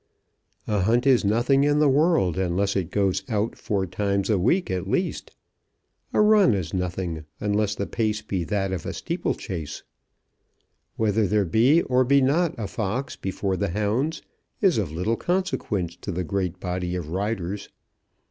A hunt is nothing in the world unless it goes out four times a week at least. A run is nothing unless the pace be that of a steeplechase. Whether there be or be not a fox before the hounds is of little consequence to the great body of riders.